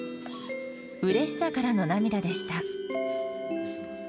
うれしさからの涙でした。